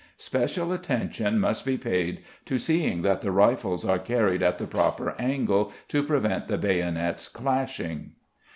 Special attention must be paid to seeing that the rifles are carried at the proper angle to prevent the bayonets clashing.